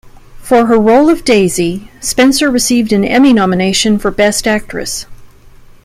For her role of Daisy, Spencer received an Emmy Nomination for Best Actress.